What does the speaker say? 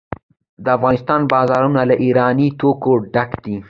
د افغانستان بازارونه له ایراني توکو ډک دي.